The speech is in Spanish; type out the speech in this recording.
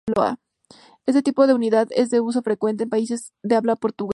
Este tipo de unidad es de uso frecuente en países de habla portuguesa.